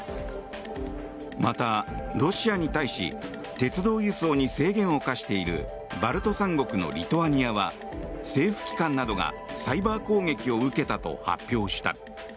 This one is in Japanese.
また、ロシアに対し鉄道輸送に制限を課しているバルト三国のリトアニアは政府機関などがサイバー攻撃を受けたと発表した。